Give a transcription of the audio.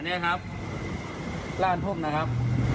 อันนี้ครับเล่านพ่มนะครับ